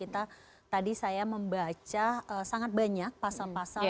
tadi saya membaca sangat banyak pasal pasal